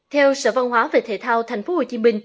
theo sở văn hóa về thể thao tp hcm